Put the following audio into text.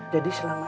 jadi selama ini